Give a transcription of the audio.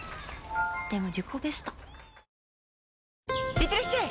いってらっしゃい！